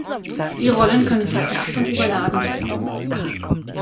Die Rollen können vererbt und überladen werden.